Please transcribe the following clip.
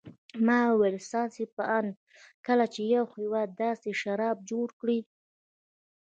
ما وویل: ستاسې په اند کله چې یو هېواد داسې شراب جوړ کړي.